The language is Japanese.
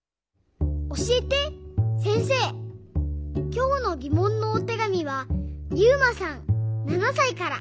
きょうのぎもんのおてがみはゆうまさん７さいから。